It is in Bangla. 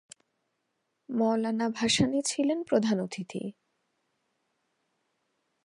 মওলানা ভাসানী ছিলেন প্রধান অতিথি।